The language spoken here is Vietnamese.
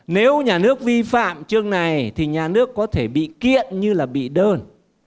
nếu nhà nước vi phạm chương này thì nhà nước có thể bị kiện như là bị đơn